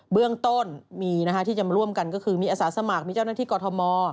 เบื้องต้นมีที่จะมาร่วมกันก็คือมีอาสาสมัครมีเจ้าหน้าที่กรทม